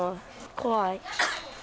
怖い。